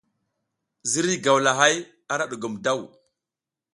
Ziriy gawlahay ara ɗugom daw.